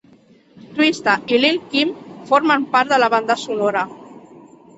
Twista i Lil' Kim formen part de la banda sonora.